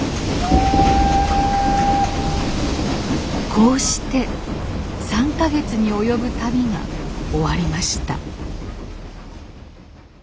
こうして３か月に及ぶ旅が終わりました。